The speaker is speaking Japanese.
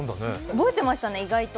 覚えてましたね、意外と。